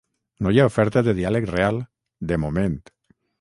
No hi ha oferta de diàleg real, de moment.